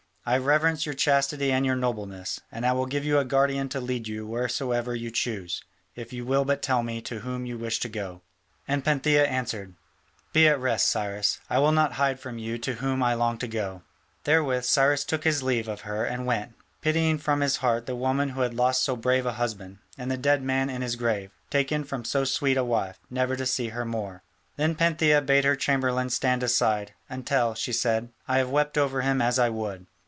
I reverence your chastity and your nobleness, and I will give you a guardian to lead you withersoever you choose, if you will but tell me to whom you wish to go." And Pantheia answered: "Be at rest, Cyrus, I will not hide from you to whom I long to go." Therewith Cyrus took his leave of her and went, pitying from his heart the woman who had lost so brave a husband, and the dead man in his grave, taken from so sweet a wife, never to see her more. Then Pantheia bade her chamberlains stand aside "until," she said, "I have wept over him as I would."